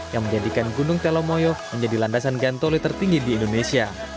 yang menjadikan gunung telomoyo menjadi landasan gantoli tertinggi di indonesia